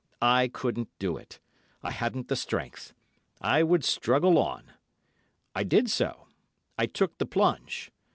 I couldn't do it; I hadn't the strength. I would struggle on. I did so—I took the plunge.